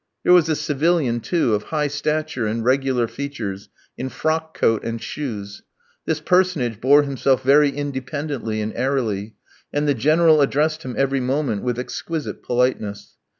There was a civilian, too, of high stature and regular features, in frock coat and shoes. This personage bore himself very independently and airily, and the General addressed him every moment with exquisite politeness.